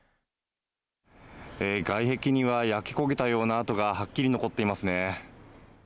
外壁には焼け焦げたような跡がはっきり残っていますね。